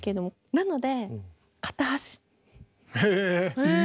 なので。